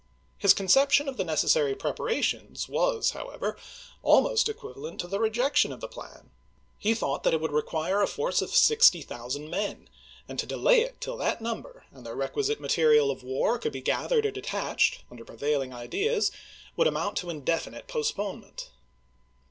His conception of the necessary preparations was, however, almost equivalent to the rejection of the plan. He thought that it would require a force of 60,000 men; and to delay it till that number and their FOKT DONELSON 187 requisite material of war could be gathered or chap. xi. detached under prevailing ideas would amount to indefinite postponement.